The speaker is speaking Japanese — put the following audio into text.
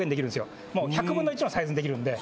１００分の１のサイズにできるんで。